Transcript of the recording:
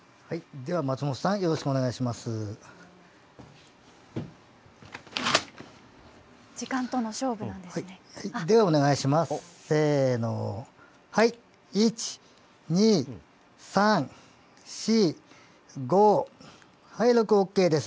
ではお願いします。